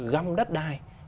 găm đất đai